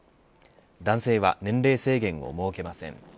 男性は年齢制限を設けません。